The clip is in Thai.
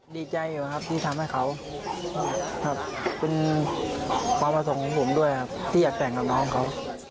ดีใจอยู่ครับที่ทำให้เขาครับเป็นความประสงค์ของผมด้วยครับที่อยากแต่งกับน้องเขา